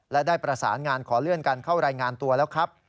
และได้ประสานงานขอเลื่อนการเข้ารายงานตัวแล้วครับ